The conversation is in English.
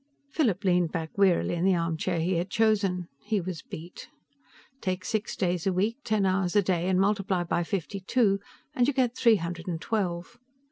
Philip leaned back wearily in the armchair he had chosen. He was beat. Take six days a week, ten hours a day, and multiply by fifty two and you get three hundred and twelve.